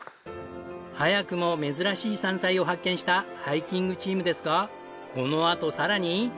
早くも珍しい山菜を発見したハイキングチームですがこのあとさらに。